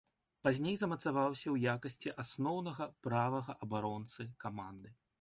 Пазней замацаваўся ў якасці асноўнага правага абаронцы каманды.